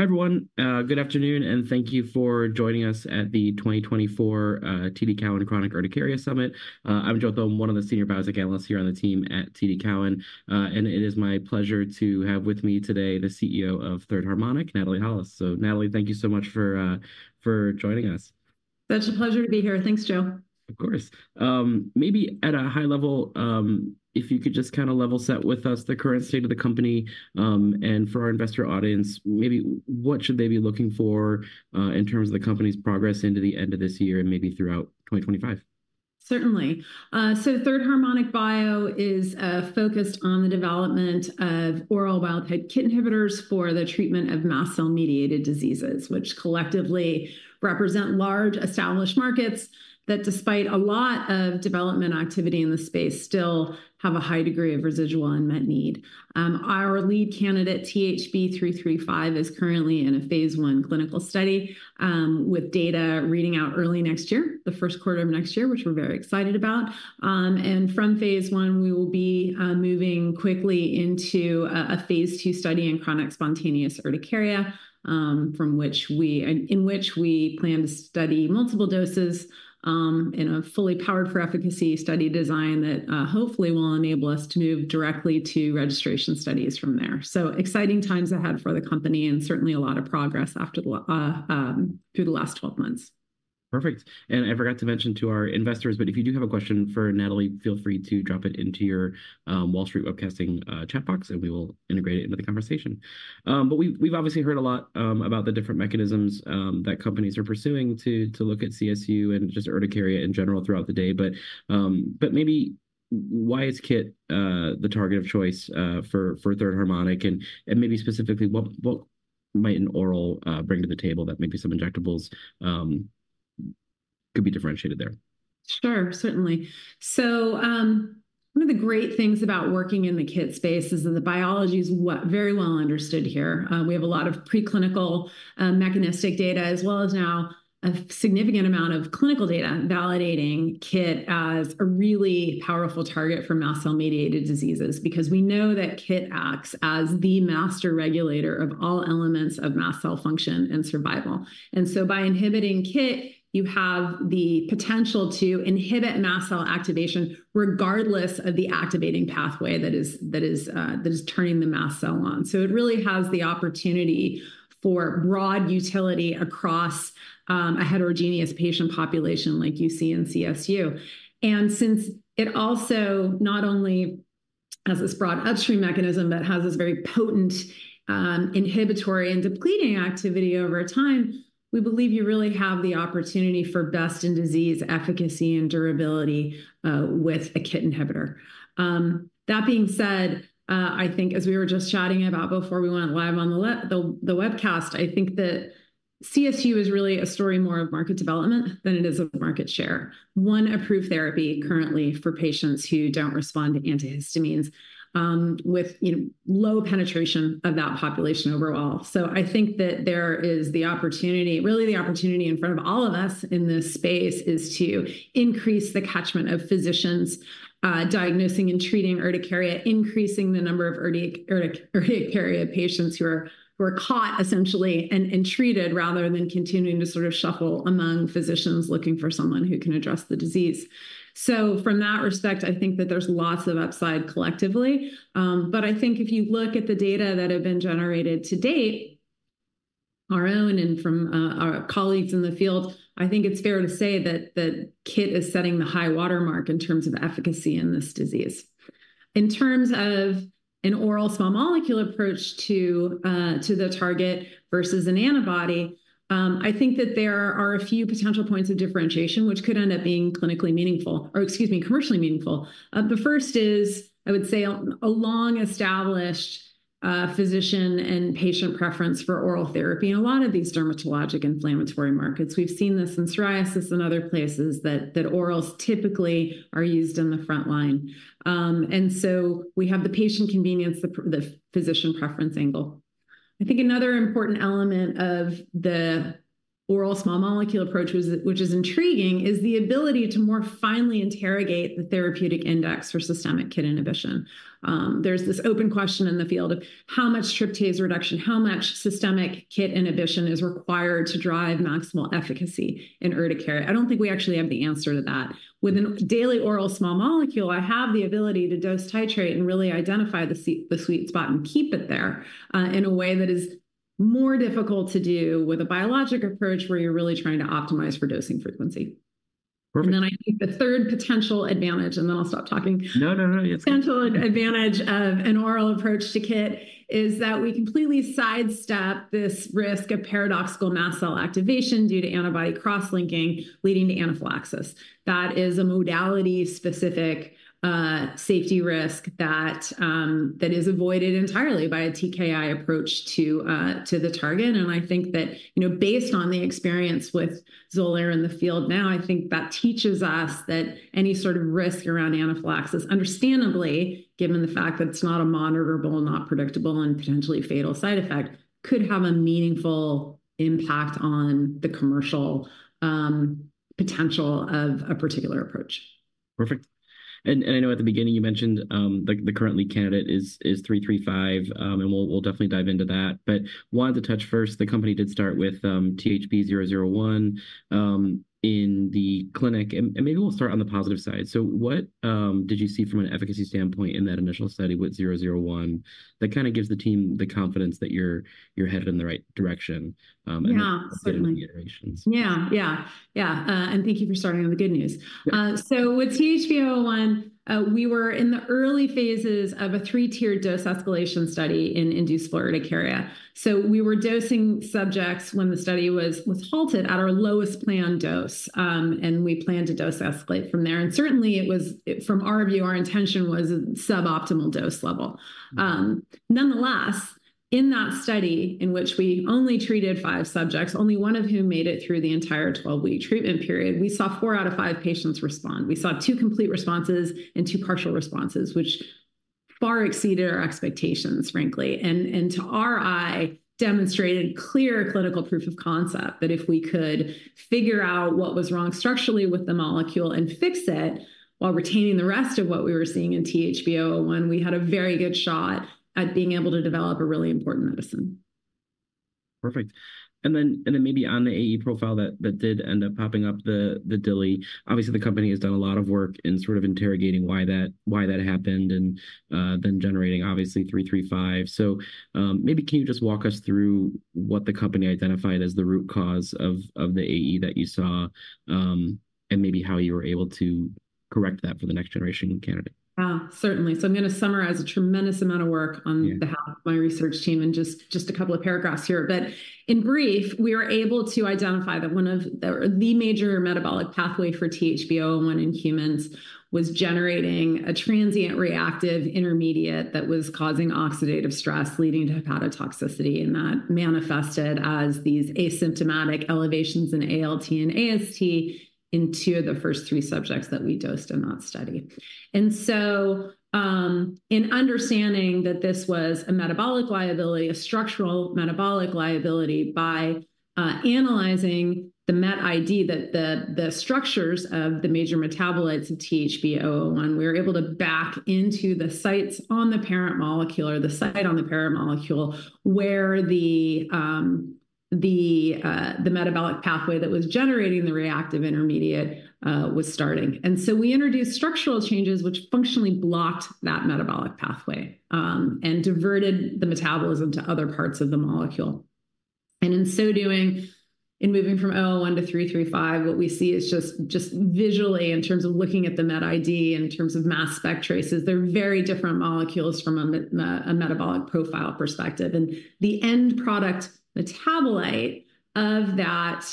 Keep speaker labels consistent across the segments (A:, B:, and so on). A: Hi, everyone. Good afternoon, and thank you for joining us at 2024 TD Cowen Chronic Urticaria Summit. I'm Joe Thome, one of the Senior Biotech Analysts here on the team at TD Cowen. And it is my pleasure to have with me today the CEO of Third Harmonic, Natalie Holles. So Natalie, thank you so much for joining us.
B: It's a pleasure to be here. Thanks, Joe.
A: Of course. Maybe at a high level, if you could just kind of level set with us the current state of the company, and for our investor audience, maybe what should they be looking for, in terms of the company's progress into the end of this year and maybe throughout 2025?
B: Certainly. So Third Harmonic Bio is focused on the development of oral wild-type KIT inhibitors for the treatment of mast cell-mediated diseases, which collectively represent large, established markets that, despite a lot of development activity in the space, still have a high degree of residual unmet need. Our lead candidate, THB 335, is currently in a phase I clinical study, with data reading out early next year, the first quarter of next year, which we're very excited about, and from phase I, we will be moving quickly into a phase II study in chronic spontaneous urticaria, from which we, in which we plan to study multiple doses, in a fully powered-for-efficacy study design that, hopefully will enable us to move directly to registration studies from there. So exciting times ahead for the company, and certainly a lot of progress through the last 12 months.
A: Perfect, and I forgot to mention to our investors, but if you do have a question for Natalie, feel free to drop it into your Wall Street Webcasting chat box, and we will integrate it into the conversation. But we've obviously heard a lot about the different mechanisms that companies are pursuing to look at CSU and just urticaria in general throughout the day. But maybe why is KIT the target of choice for Third Harmonic, and maybe specifically, what might an oral bring to the table that maybe some injectables could be differentiated there?
B: Sure, certainly. So, one of the great things about working in the KIT space is that the biology is very well understood here. We have a lot of preclinical, mechanistic data, as well as now a significant amount of clinical data validating KIT as a really powerful target for mast cell-mediated diseases. Because we know that KIT acts as the master regulator of all elements of mast cell function and survival. And so by inhibiting KIT, you have the potential to inhibit mast cell activation, regardless of the activating pathway that is turning the mast cell on. So it really has the opportunity for broad utility across, a heterogeneous patient population like you see in CSU. Since it also not only has this broad upstream mechanism, but has this very potent inhibitory and depleting activity over time, we believe you really have the opportunity for best-in-disease efficacy and durability with a KIT inhibitor. That being said, I think as we were just chatting about before we went live on the webcast, I think that CSU is really a story more of market development than it is of market share. One approved therapy currently for patients who don't respond to antihistamines, with you know low penetration of that population overall. I think that there is the opportunity... Really, the opportunity in front of all of us in this space is to increase the catchment of physicians diagnosing and treating urticaria, increasing the number of urticaria patients who are caught, essentially, and treated, rather than continuing to sort of shuffle among physicians looking for someone who can address the disease, so from that respect, I think that there's lots of upside collectively, but I think if you look at the data that have been generated to date, our own and from our colleagues in the field, I think it's fair to say that the KIT is setting the high water mark in terms of efficacy in this disease. In terms of an oral small molecule approach to the target versus an antibody, I think that there are a few potential points of differentiation which could end up being clinically meaningful, or excuse me, commercially meaningful. The first is, I would say, a long-established physician and patient preference for oral therapy in a lot of these dermatologic inflammatory markets. We've seen this in psoriasis and other places, that orals typically are used in the front line. And so we have the patient convenience, the physician preference angle. I think another important element of the oral small molecule approach, which is intriguing, is the ability to more finely interrogate the therapeutic index for systemic KIT inhibition. There's this open question in the field of how much tryptase reduction, how much systemic KIT inhibition is required to drive maximal efficacy in urticaria? I don't think we actually have the answer to that. With a daily oral small molecule, I have the ability to dose titrate and really identify the sweet spot and keep it there, in a way that is more difficult to do with a biologic approach, where you're really trying to optimize for dosing frequency.
A: Perfect.
B: And then I think the third potential advantage, and then I'll stop talking.
A: No, no, no. It's good.
B: Potential advantage of an oral approach to KIT is that we completely sidestep this risk of paradoxical mast cell activation due to antibody cross-linking, leading to anaphylaxis. That is a modality-specific safety risk that is avoided entirely by a TKI approach to the target. And I think that, you know, based on the experience with Xolair in the field now, I think that teaches us that any sort of risk around anaphylaxis, understandably, given the fact that it's not a monitorable, not predictable, and potentially fatal side effect, could have a meaningful impact on the commercial potential of a particular approach....
A: Perfect. And I know at the beginning you mentioned the current lead candidate is 335, and we'll definitely dive into that. But wanted to touch first. The company did start with THB 001 in the clinic, and maybe we'll start on the positive side. So what did you see from an efficacy standpoint in that initial study with 001 that kind of gives the team the confidence that you're headed in the right direction,-
B: Yeah, certainly.
A: -and then iterations?
B: Yeah, yeah, yeah. And thank you for starting on the good news.
A: Yeah.
B: So with 001, we were in the early phases of a three-tiered dose escalation study in inducible urticaria. So we were dosing subjects when the study was halted at our lowest planned dose, and we planned to dose escalate from there. And certainly, it was from our view, our intention was a suboptimal dose level. Nonetheless, in that study in which we only treated five subjects, only one of whom made it through the entire twelve-week treatment period, we saw four out of five patients respond. We saw two complete responses and two partial responses, which far exceeded our expectations, frankly, and to our eye, demonstrated clear clinical proof of concept that if we could figure out what was wrong structurally with the molecule and fix it while retaining the rest of what we were seeing in 001, we had a very good shot at being able to develop a really important medicine.
A: Perfect. And then, and then maybe on the AE profile that, that did end up popping up the, the DILI. Obviously, the company has done a lot of work in sort of interrogating why that, why that happened and, then generating obviously 335. So, maybe can you just walk us through what the company identified as the root cause of, of the AE that you saw, and maybe how you were able to correct that for the next generation candidate?
B: Ah, certainly. So I'm gonna summarize a tremendous amount of work on-
A: Yeah...
B: behalf of my research team in just a couple of paragraphs here. But in brief, we are able to identify that one of the major metabolic pathway for 001 in humans was generating a transient reactive intermediate that was causing oxidative stress, leading to hepatotoxicity, and that manifested as these asymptomatic elevations in ALT and AST in two of the first three subjects that we dosed in that study. And so, in understanding that this was a metabolic liability, a structural metabolic liability, by analyzing the MetID, the structures of the major metabolites of 001, we were able to back into the sites on the parent molecule or the site on the parent molecule, where the metabolic pathway that was generating the reactive intermediate was starting. And so we introduced structural changes, which functionally blocked that metabolic pathway, and diverted the metabolism to other parts of the molecule. And in so doing, in moving from 001 to 335, what we see is just visually, in terms of looking at the MetID, in terms of mass spec traces, they're very different molecules from a metabolic profile perspective. And the end product metabolite of that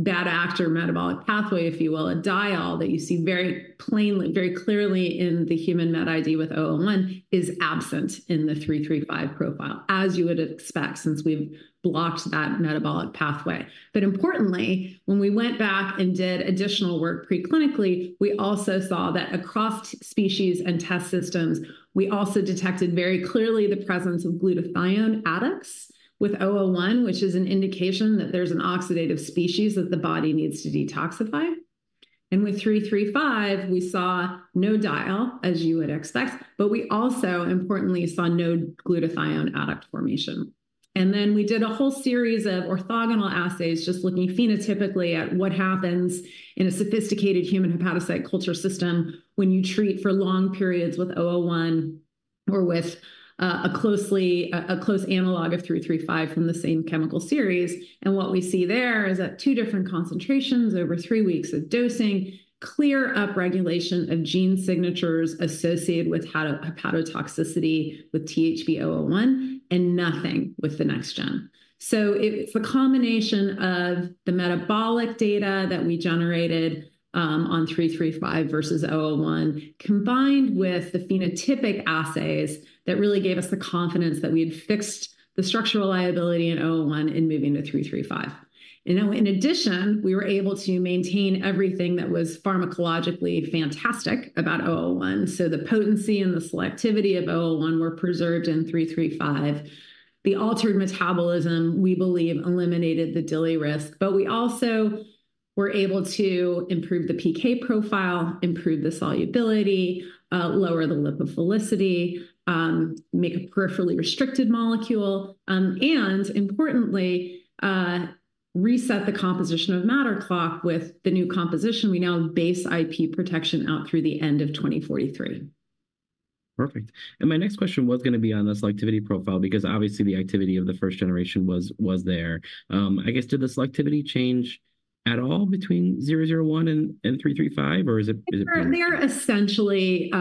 B: bad actor metabolic pathway, if you will, a diol that you see very plainly, very clearly in the human MetID with 001, is absent in the 335 profile, as you would expect, since we've blocked that metabolic pathway. But importantly, when we went back and did additional work preclinically, we also saw that across species and test systems, we also detected very clearly the presence of glutathione adducts with 001 which is an indication that there's an oxidative species that the body needs to detoxify. And with 335, we saw no diol, as you would expect, but we also importantly saw no glutathione adduct formation. And then we did a whole series of orthogonal assays, just looking phenotypically at what happens in a sophisticated human hepatocyte culture system when you treat for long periods with 001 or with a close analog of 335 from the same chemical series. What we see there is at two different concentrations over three weeks of dosing, clear upregulation of gene signatures associated with hepatotoxicity with THB 001, and nothing with the next gen. It's a combination of the metabolic data that we generated on 335 versus 001, combined with the phenotypic assays, that really gave us the confidence that we had fixed the structural liability in 001 in moving to 335. In addition, we were able to maintain everything that was pharmacologically fantastic about 001, so the potency and the selectivity of 001 were preserved in 335. The altered metabolism, we believe, eliminated the DILI risk, but we also were able to improve the PK profile, improve the solubility, lower the lipophilicity, make a peripherally restricted molecule, and importantly, reset the composition of matter clock. With the new composition, we now have base IP protection out through the end of 2043.
A: Perfect. And my next question was gonna be on the selectivity profile, because obviously the activity of the first generation was there. I guess, did the selectivity change at all between 001 and 335, or is it-
B: They are essentially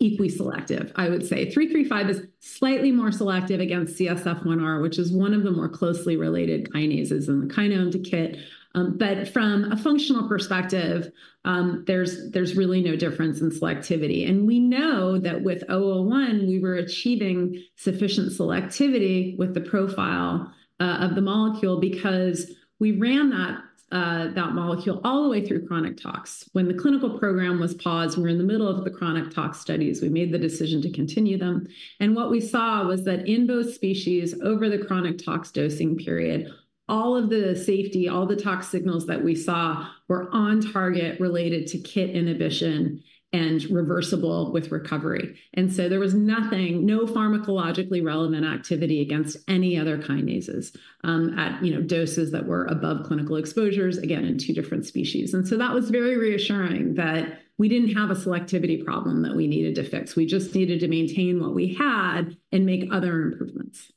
B: equally selective. I would say 335 is slightly more selective against CSF1R, which is one of the more closely related kinases in the kinome to KIT. But from a functional perspective, there's really no difference in selectivity. And we know that with 001, we were achieving sufficient selectivity with the profile of the molecule, because we ran that molecule all the way through chronic tox. When the clinical program was paused, we were in the middle of the chronic tox studies, we made the decision to continue them. And what we saw was that in both species, over the chronic tox dosing period, all of the safety, all the tox signals that we saw were on target related to KIT inhibition and reversible with recovery. And so there was nothing, no pharmacologically relevant activity against any other kinases, at, you know, doses that were above clinical exposures, again, in two different species. And so that was very reassuring that we didn't have a selectivity problem that we needed to fix. We just needed to maintain what we had and make other improvements....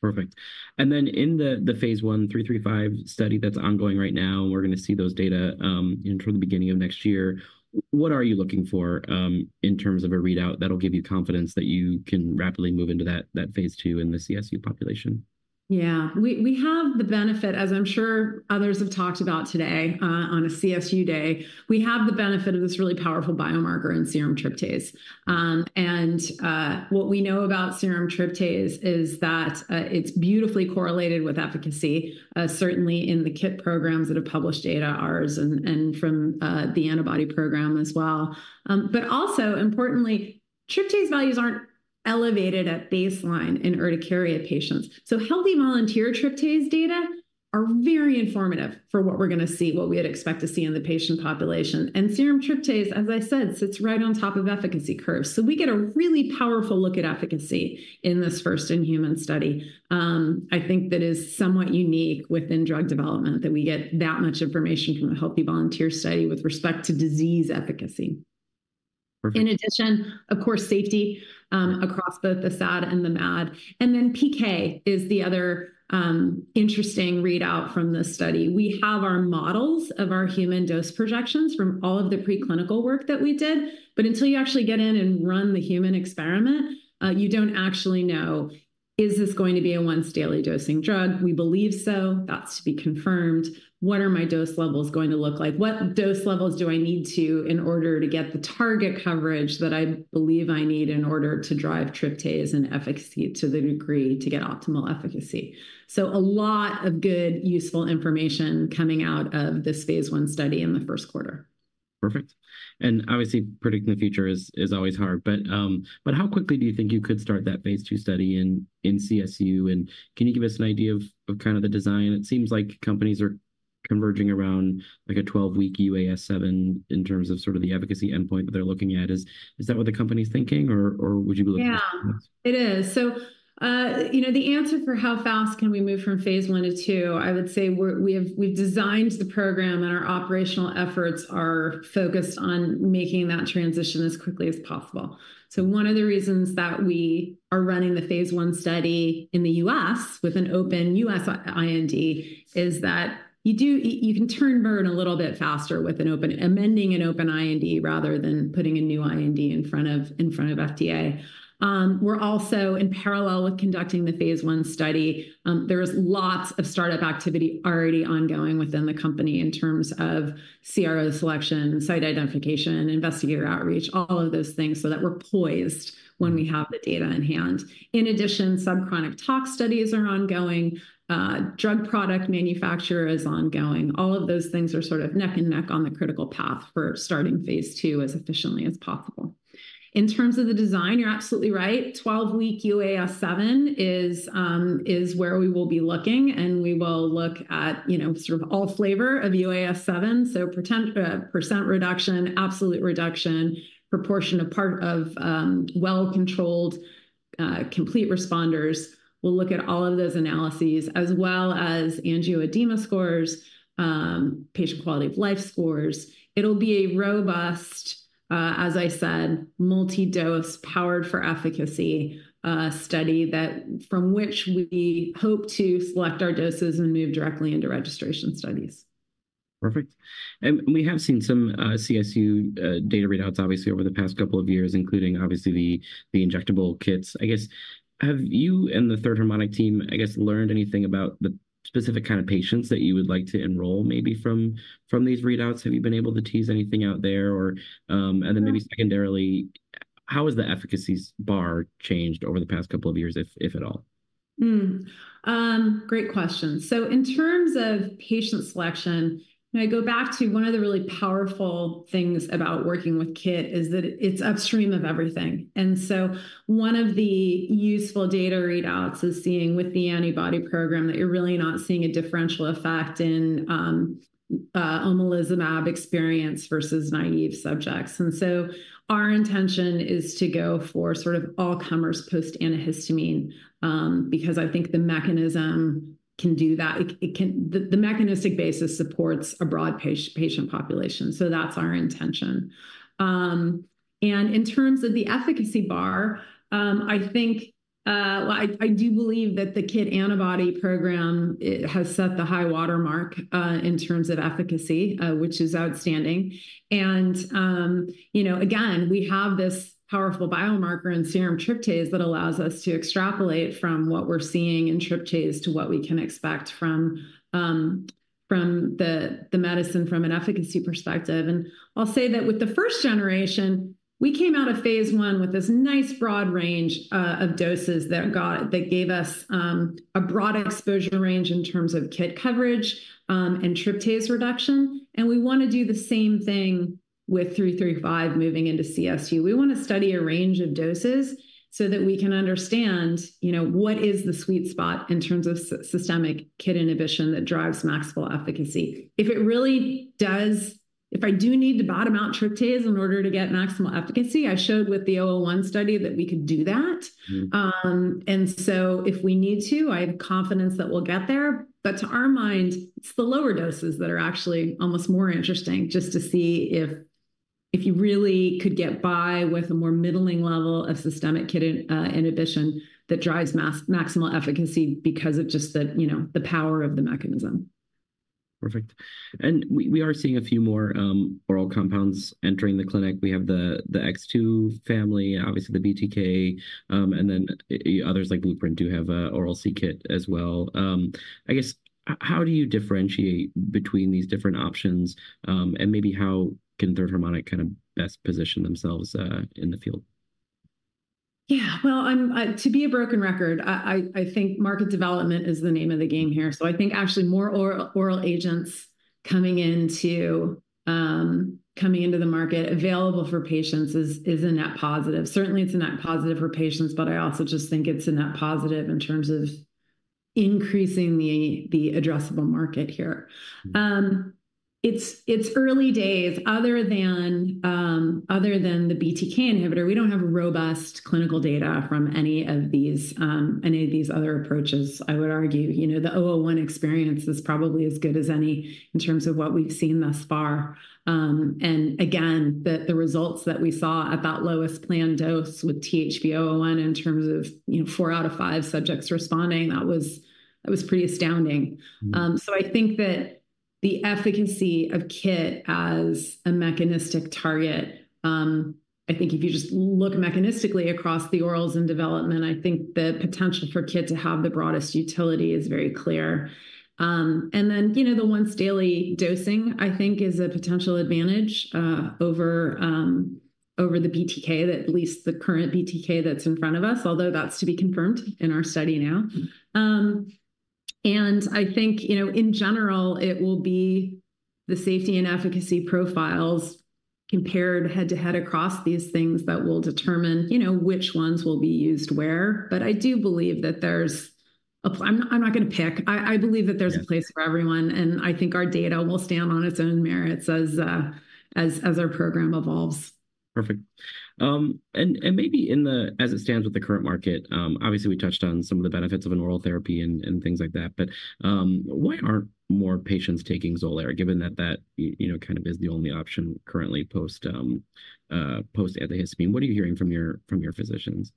A: Perfect. And then in the phase I 335 study that's ongoing right now, we're gonna see those data in from the beginning of next year. What are you looking for in terms of a readout that'll give you confidence that you can rapidly move into that phase II in the CSU population?
B: Yeah. We have the benefit, as I'm sure others have talked about today, on a CSU day, of this really powerful biomarker in serum tryptase. And what we know about serum tryptase is that it's beautifully correlated with efficacy, certainly in the kit programs that have published data, ours and from the antibody program as well. But also importantly, tryptase values aren't elevated at baseline in urticaria patients. So healthy volunteer tryptase data are very informative for what we're gonna see, what we'd expect to see in the patient population. And serum tryptase, as I said, sits right on top of efficacy curves. So we get a really powerful look at efficacy in this first-in-human study. I think that is somewhat unique within drug development, that we get that much information from a healthy volunteer study with respect to disease efficacy.
A: Perfect.
B: In addition, of course, safety across both the SAD and the MAD, and then PK is the other interesting readout from this study. We have our models of our human dose projections from all of the preclinical work that we did, but until you actually get in and run the human experiment, you don't actually know, is this going to be a once-daily dosing drug? We believe so. That's to be confirmed. What are my dose levels going to look like? What dose levels do I need to in order to get the target coverage that I believe I need in order to drive tryptase and efficacy to the degree to get optimal efficacy, so a lot of good, useful information coming out of this phase Istudy in the first quarter.
A: Perfect. And obviously, predicting the future is always hard. But how quickly do you think you could start that phase II study in CSU, and can you give us an idea of kind of the design? It seems like companies are converging around like a 12-week UAS7 in terms of sort of the efficacy endpoint that they're looking at. Is that what the company's thinking, or would you believe-
B: Yeah, it is. You know, the answer for how fast can we move from phase I to II, I would say we have. We've designed the program, and our operational efforts are focused on making that transition as quickly as possible. One of the reasons that we are running the phase I study in the U.S. with an open U.S. IND is that you can turnaround a little bit faster with amending an open IND, rather than putting a new IND in front of FDA. We're also in parallel with conducting the phase I study. There's lots of start-up activity already ongoing within the company in terms of CRO selection, site identification, investigator outreach, all of those things, so that we're poised when we have the data in hand. In addition, sub-chronic tox studies are ongoing, drug product manufacture is ongoing. All of those things are sort of neck and neck on the critical path for starting phase II as efficiently as possible. In terms of the design, you're absolutely right. 12-week UAS7 is where we will be looking, and we will look at, you know, sort of all flavor of UAS7, so percent reduction, absolute reduction, proportion of patients who are well-controlled, complete responders. We'll look at all of those analyses, as well as angioedema scores, patient quality of life scores. It'll be a robust, as I said, multi-dose, powered for efficacy, study that from which we hope to select our doses and move directly into registration studies.
A: Perfect. And we have seen some CSU data readouts, obviously, over the past couple of years, including, obviously, the injectable KITs. I guess, have you and the Third Harmonic team, I guess, learned anything about the specific kind of patients that you would like to enroll, maybe from these readouts? Have you been able to tease anything out there, or? And then maybe secondarily, how has the efficacy bar changed over the past couple of years, if at all?
B: Mm. Great question. In terms of patient selection, and I go back to one of the really powerful things about working with KIT is that it's upstream of everything. One of the useful data readouts is seeing with the antibody program, that you're really not seeing a differential effect in omalizumab-experienced versus naive subjects. Our intention is to go for sort of all comers post antihistamine, because I think the mechanism can do that. The mechanistic basis supports a broad patient population, so that's our intention. In terms of the efficacy bar, I think, well, I do believe that the KIT antibody program, it has set the high watermark in terms of efficacy, which is outstanding. And, you know, again, we have this powerful biomarker in serum tryptase that allows us to extrapolate from what we're seeing in tryptase to what we can expect from the medicine from an efficacy perspective. I'll say that with the first generation, we came out of phase I with this nice broad range of doses that gave us a broad exposure range in terms of KIT coverage and tryptase reduction, and we wanna do the same thing with 335 moving into CSU. We wanna study a range of doses, so that we can understand, you know, what is the sweet spot in terms of systemic kit inhibition that drives maximal efficacy. If it really does... If I do need to bottom out tryptase in order to get maximal efficacy, I showed with the 001 study that we could do that. and so if we need to, I have confidence that we'll get there. But to our mind, it's the lower doses that are actually almost more interesting, just to see if you really could get by with a more middling level of systemic KIT inhibition that drives maximal efficacy because of just the, you know, the power of the mechanism.
A: Perfect, and we are seeing a few more oral compounds entering the clinic. We have the X2 family, obviously the BTK, and then others like Blueprint do have a oral KIT as well. I guess, how do you differentiate between these different options, and maybe how can Third Harmonic kind of best position themselves in the field?
B: Yeah, well, I'm to be a broken record. I think market development is the name of the game here. So I think actually more oral agents coming into the market available for patients is a net positive. Certainly, it's a net positive for patients, but I also just think it's a net positive in terms of increasing the addressable market here. It's early days other than the BTK inhibitor, we don't have robust clinical data from any of these other approaches, I would argue. You know, the 001 experience is probably as good as any in terms of what we've seen thus far. And again, the results that we saw at that lowest planned dose with 001 in terms of, you know, four out of five subjects responding, that was pretty astounding. So I think that the efficacy of KIT as a mechanistic target, I think if you just look mechanistically across the orals in development, I think the potential for KIT to have the broadest utility is very clear. And then, you know, the once-daily dosing, I think, is a potential advantage over the BTK, that at least the current BTK that's in front of us, although that's to be confirmed in our study now. And I think, you know, in general, it will be the safety and efficacy profiles compared head-to-head across these things that will determine, you know, which ones will be used where. But I do believe that there's. I'm not, I'm not gonna pick. I believe that-
A: Yeah
B: There's a place for everyone, and I think our data will stand on its own merits as our program evolves.
A: Perfect. Maybe as it stands with the current market, obviously, we touched on some of the benefits of an oral therapy and things like that, but why aren't more patients taking Xolair, given that you know kind of is the only option currently post-antihistamine? What are you hearing from your physicians?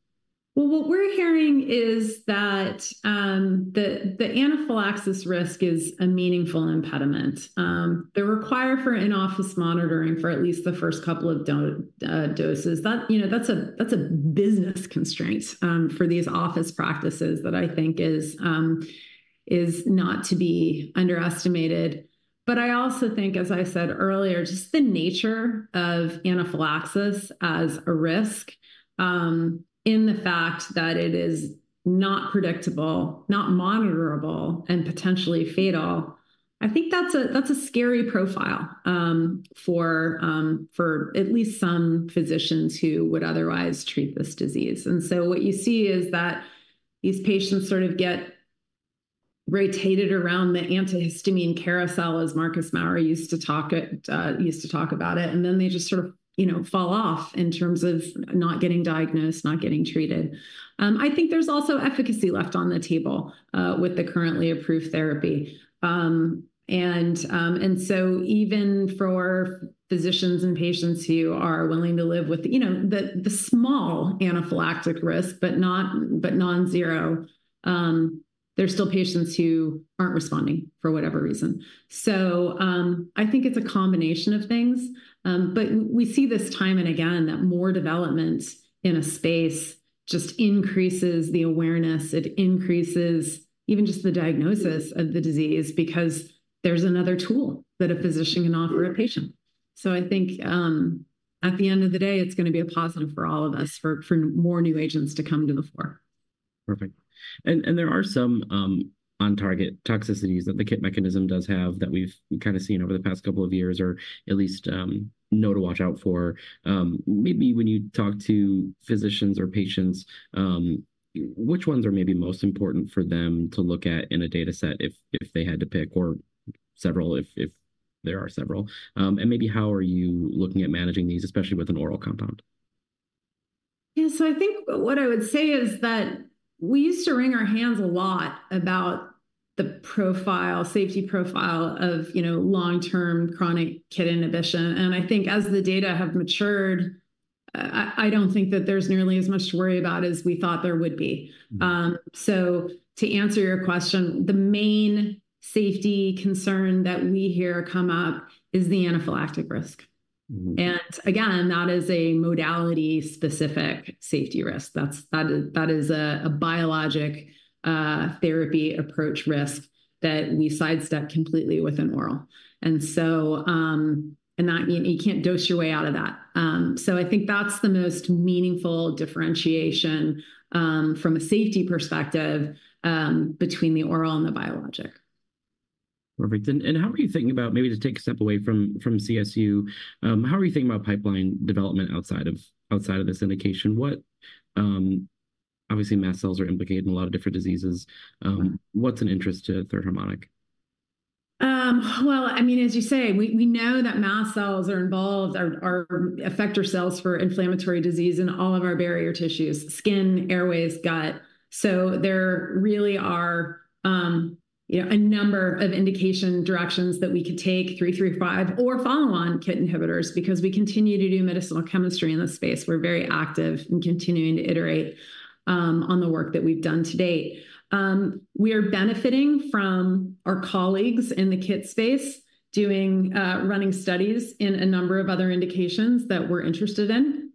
B: What we're hearing is that the anaphylaxis risk is a meaningful impediment. The requirement for in-office monitoring for at least the first couple of doses, you know, that's a business constraint for these office practices that I think is not to be underestimated. But I also think, as I said earlier, just the nature of anaphylaxis as a risk, in the fact that it is not predictable, not monitorable, and potentially fatal. I think that's a scary profile for at least some physicians who would otherwise treat this disease. And so what you see is that these patients sort of get rotated around the antihistamine carousel, as Marcus Maurer used to talk about it, and then they just sort of, you know, fall off in terms of not getting diagnosed, not getting treated. I think there's also efficacy left on the table with the currently approved therapy. And so even for physicians and patients who are willing to live with, you know, the small anaphylactic risk, but non-zero, there's still patients who aren't responding for whatever reason. So I think it's a combination of things, but we see this time and again, that more development in a space just increases the awareness. It increases even just the diagnosis of the disease, because there's another tool that a physician can offer a patient. So I think, at the end of the day, it's gonna be a positive for all of us, for more new agents to come to the fore.
A: Perfect. And there are some on-target toxicities that the KIT mechanism does have that we've kind of seen over the past couple of years, or at least know to watch out for. Maybe when you talk to physicians or patients, which ones are maybe most important for them to look at in a data set if they had to pick or several, if there are several? And maybe how are you looking at managing these, especially with an oral compound?
B: Yeah, so I think what I would say is that we used to wring our hands a lot about the profile, safety profile of, you know, long-term chronic KIT inhibition. And I think as the data have matured, I don't think that there's nearly as much to worry about as we thought there would be. So, to answer your question, the main safety concern that we hear come up is the anaphylactic risk. Again, that is a modality-specific safety risk. That's a biologic therapy approach risk that we sidestep completely with an oral, and so you can't dose your way out of that. I think that's the most meaningful differentiation from a safety perspective between the oral and the biologic.
A: Perfect. And how are you thinking about maybe to take a step away from CSU, how are you thinking about pipeline development outside of this indication? What, obviously, mast cells are implicated in a lot of different diseases. What's of interest to Third Harmonic?
B: Well, I mean, as you say, we know that mast cells are involved, are effector cells for inflammatory disease in all of our barrier tissues: skin, airways, gut. So there really are, you know, a number of indication directions that we could take 335, or follow on KIT inhibitors, because we continue to do medicinal chemistry in this space. We're very active in continuing to iterate on the work that we've done to date. We are benefiting from our colleagues in the KIT space doing running studies in a number of other indications that we're interested in.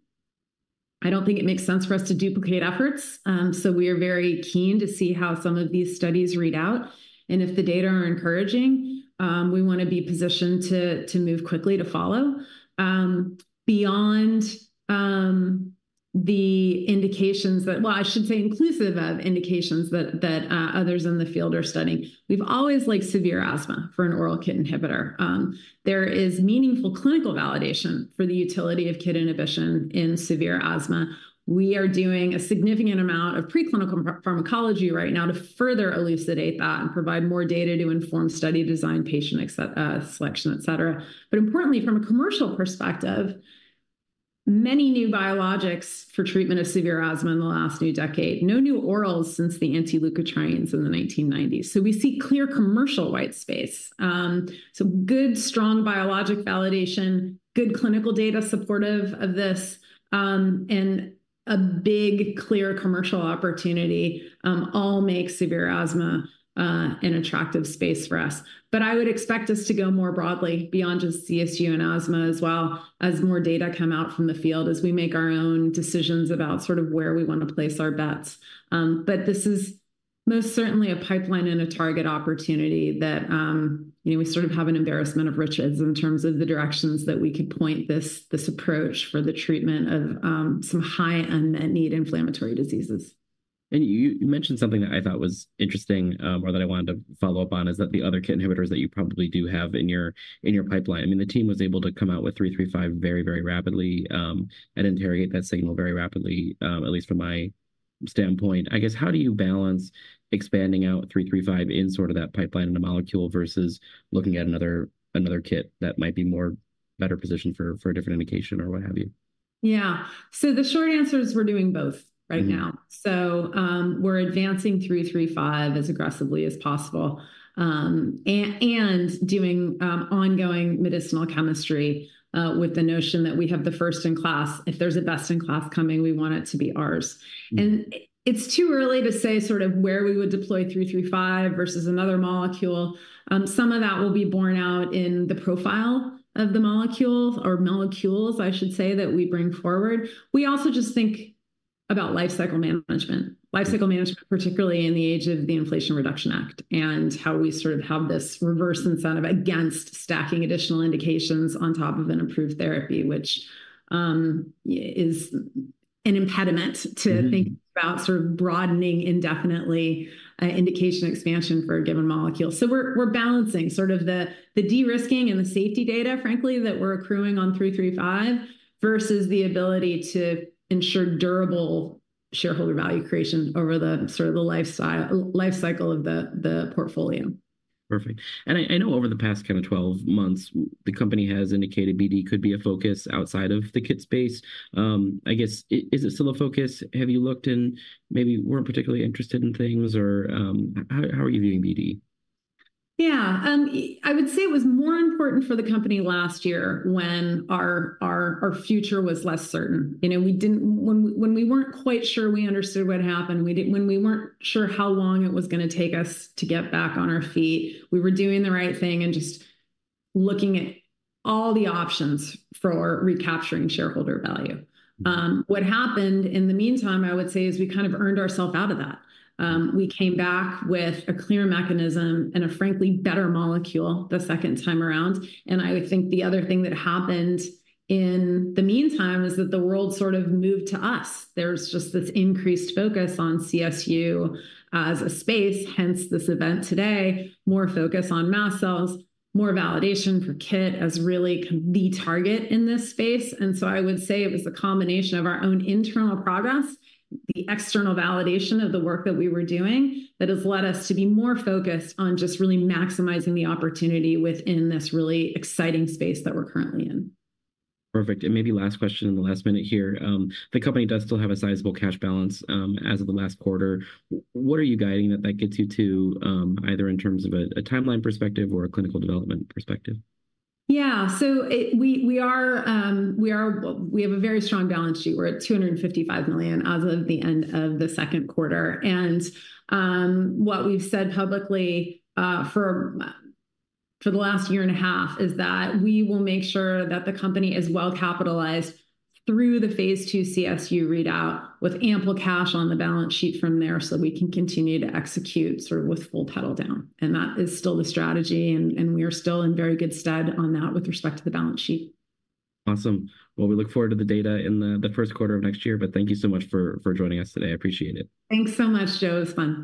B: I don't think it makes sense for us to duplicate efforts, so we are very keen to see how some of these studies read out, and if the data are encouraging, we wanna be positioned to move quickly to follow. Beyond the indications that, well, I should say inclusive of indications that others in the field are studying. We've always liked severe asthma for an oral KIT inhibitor. There is meaningful clinical validation for the utility of KIT inhibition in severe asthma. We are doing a significant amount of preclinical pharmacology right now to further elucidate that and provide more data to inform study design, patient selection, et cetera. But importantly, from a commercial perspective, many new biologics for treatment of severe asthma in the last decade, no new orals since the anti-leukotrienes in the 1990s, so we see clear commercial white space, so good, strong biologic validation, good clinical data supportive of this, and a big, clear commercial opportunity all make severe asthma an attractive space for us. But I would expect us to go more broadly beyond just CSU and asthma as well, as more data come out from the field, as we make our own decisions about sort of where we wanna place our bets, but this is most certainly a pipeline and a target opportunity that, you know, we sort of have an embarrassment of riches in terms of the directions that we could point this, this approach for the treatment of, some high unmet need inflammatory diseases.
A: You mentioned something that I thought was interesting, or that I wanted to follow up on, is that the other KIT inhibitors that you probably do have in your pipeline. I mean, the team was able to come out with 335 very, very rapidly, and interrogate that signal very rapidly, at least from my standpoint. I guess, how do you balance expanding out 335 in sort of that pipeline in a molecule versus looking at another KIT that might be more better positioned for a different indication or what have you?
B: Yeah, so the short answer is we're doing both right now. So, we're advancing 335 as aggressively as possible, and doing ongoing medicinal chemistry, with the notion that we have the first-in-class. If there's a best-in-class coming, we want it to be ours. It's too early to say sort of where we would deploy 335 versus another molecule. Some of that will be borne out in the profile of the molecule, or molecules I should say, that we bring forward. We also just think about life cycle management. Life cycle management, particularly in the age of the Inflation Reduction Act, and how we sort of have this reverse incentive against stacking additional indications on top of an approved therapy, which, yeah, is an impediment to think about sort of broadening indefinitely, indication expansion for a given molecule. So we're balancing sort of the de-risking and the safety data, frankly, that we're accruing on 335, versus the ability to ensure durable shareholder value creation over the sort of the life cycle of the portfolio.
A: Perfect. And I know over the past kind of twelve months, the company has indicated BD could be a focus outside of the KIT space. I guess, is it still a focus? Have you looked and maybe weren't particularly interested in things, or, how are you viewing BD?
B: Yeah. I would say it was more important for the company last year, when our future was less certain. You know, we didn't... When we weren't quite sure we understood what happened, when we weren't sure how long it was gonna take us to get back on our feet, we were doing the right thing and just looking at all the options for recapturing shareholder value. What happened in the meantime, I would say, is we kind of earned ourselves out of that. We came back with a clear mechanism and a frankly better molecule the second time around, and I would think the other thing that happened in the meantime, is that the world sort of moved to us. There's just this increased focus on CSU as a space, hence this event today, more focus on mast cells, more validation for KIT as really the target in this space. And so I would say it was a combination of our own internal progress, the external validation of the work that we were doing, that has led us to be more focused on just really maximizing the opportunity within this really exciting space that we're currently in.
A: Perfect. And maybe last question in the last minute here. The company does still have a sizable cash balance, as of the last quarter. What are you guiding that gets you to, either in terms of a timeline perspective or a clinical development perspective?
B: Yeah. So we have a very strong balance sheet. We're at $255 million as of the end of the second quarter, and what we've said publicly for the last year and a half is that we will make sure that the company is well-capitalized through the phase II CSU readout, with ample cash on the balance sheet from there, so we can continue to execute sort of with full pedal down. That is still the strategy, and we are still in very good stead on that with respect to the balance sheet.
A: Awesome. We look forward to the data in the first quarter of next year, but thank you so much for joining us today. I appreciate it.
B: Thanks so much, Joe. It was fun.